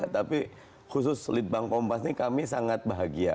tapi khusus litbang kompas ini kami sangat bahagia